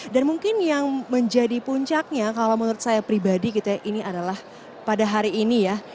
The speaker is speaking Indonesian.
dan mungkin yang menjadi puncaknya kalau menurut saya pribadi gitu ya ini adalah pada hari ini ya